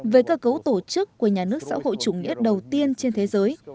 về cơ cấu tổ chức của nhà nước xã hội chủ nghĩa đầu tiên trên thế giới